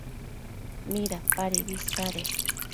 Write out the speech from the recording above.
¿midapadibi isade?